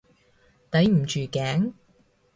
抵唔住頸？